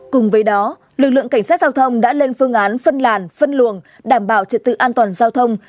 cùng với đó lực lượng cảnh sát giao thông đã lên phương án phân làn phân luồng đảm bảo trật tự an toàn giao thông